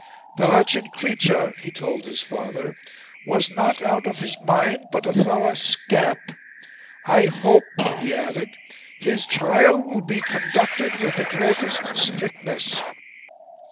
"The wretched creature," he told his father, was "not out of his mind, but a thorough scamp." "I hope," he added, "his trial will be conducted with the greatest strictness."